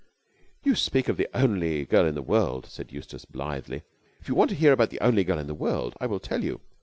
"You speak of the only girl in the world," said Eustace blithely. "If you want to hear about the only girl in the world, I will tell you.